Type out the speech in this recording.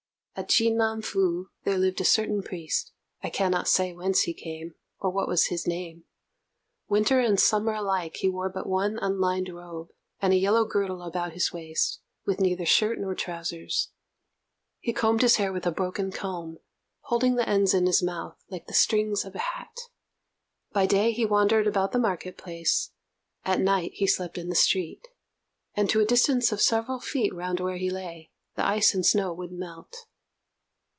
At Chi nan Fu there lived a certain priest: I cannot say whence he came, or what was his name. Winter and summer alike he wore but one unlined robe, and a yellow girdle about his waist, with neither shirt nor trousers. He combed his hair with a broken comb, holding the ends in his mouth, like the strings of a hat. By day he wandered about the market place; at night he slept in the street, and to a distance of several feet round where he lay, the ice and snow would melt.